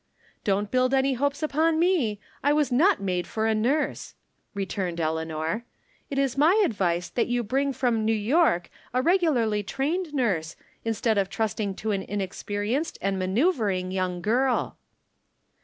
" Don't build any hopes upon me — I was not made for a nurse," returned Eleanor. " It is my advice that you bring from New York a regularly trained nurse, instead of trusting to an inexperi enced and manceuvring J'oung girl."